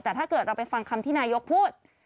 แต่ถ้าเกิดเราไปฟังคำที่นายกพูด